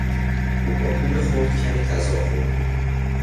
او با پول خرد کمی غذا خورد.